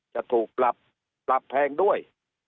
จะถูกปรับแทงด้วย